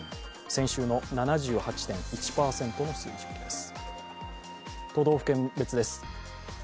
先週の７８．１％の水準です。